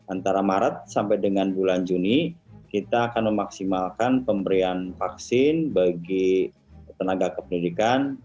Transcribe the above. antara maret sampai dengan bulan juni kita akan memaksimalkan pemberian vaksin bagi tenaga kependidikan